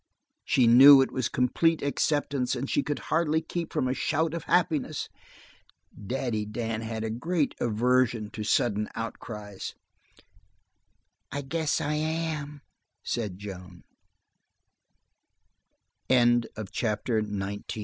She knew it was complete acceptance, and she could hardly keep from a shout of happiness. Daddy Dan had a great aversion to sudden outcries. "I guess I am," said Joan. Chapter XX.